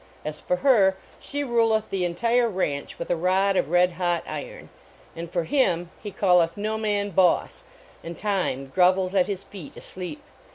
As for her, she ruleth the entire ranch with a rod of red hot iron. And for him, he calleth no man "boss," and Time grovels at his feet, asleep.